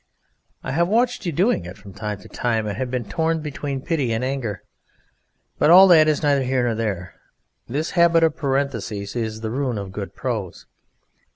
I have watched you doing it from time to time, and have been torn between pity and anger. But all that is neither here nor there. This habit of parenthesis is the ruin of good prose.